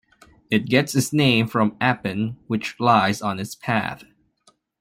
It gets its name from Appin, which lies on its path.